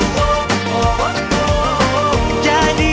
kau tak terjaga